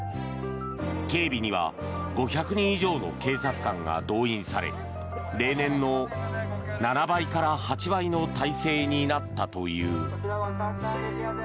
警備には５００人以上の警察官が動員され例年の７倍から８倍の態勢になったという。